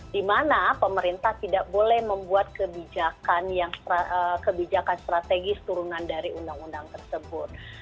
di mana pemerintah tidak boleh membuat kebijakan strategis turunan dari undang undang tersebut